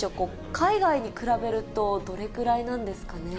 海外に比べるとどれくらいなんですかね。